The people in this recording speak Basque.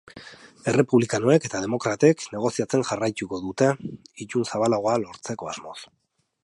Errepublikanoek eta demokratek negoziatzen jarraituko dute, itun zabalagoa lortzeko asmoz.